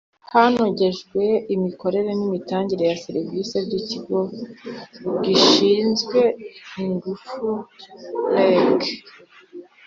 hanogejwe imikorere nimitangire ya serivisi by ikigo gishinzwe ingufu reg